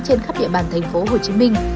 trên khắp địa bàn thành phố hồ chí minh